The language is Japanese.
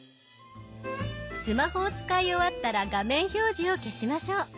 スマホを使い終わったら画面表示を消しましょう。